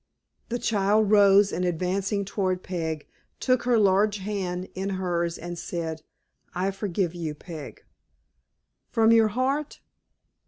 The child rose, and advancing towards Peg, took her large hand in her's and said, "I forgive you, Peg." "From your heart?"